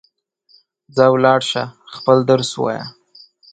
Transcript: ځه ولاړ سه ، خپل درس ووایه